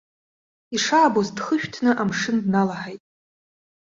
Ишаабоз дхышәҭны амшын дналаҳаит.